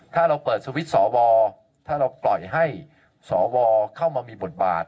ถ้าเราเปิดสวิตช์สวถ้าเราปล่อยให้สวเข้ามามีบทบาท